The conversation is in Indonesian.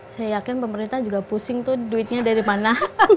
saya yakin pemerintah juga pusing tuh duitnya dari mana